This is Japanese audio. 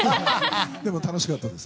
でも楽しかったです。